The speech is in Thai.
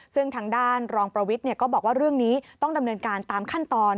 ซึ่งทางด้านรองประวิทย์ก็บอกว่าเรื่องนี้ต้องดำเนินการตามขั้นตอน